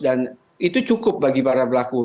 dan itu cukup bagi para pelaku